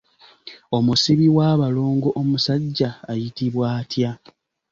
Omusibi w’abalongo omusajja ayitibwa atya?